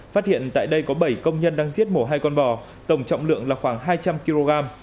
phát hiện tại đây có bảy công nhân đang giết mổ hai con bò tổng trọng lượng là khoảng hai trăm linh kg